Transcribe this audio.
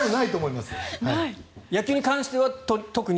野球に関しては特に？